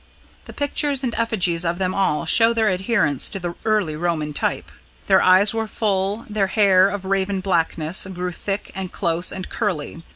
The pictures and effigies of them all show their adherence to the early Roman type. Their eyes were full; their hair, of raven blackness, grew thick and close and curly.